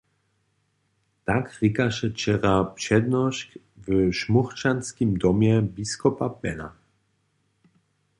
Tak rěkaše wčera přednošk w Smochčanskim Domje biskopa Bena.